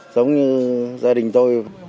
giống như gia đình tôi